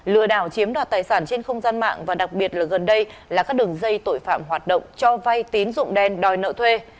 lừa đảo chiếm đoạt tài sản trên không gian mạng và đặc biệt là gần đây là các đường dây tội phạm hoạt động cho vay tín dụng đen đòi nợ thuê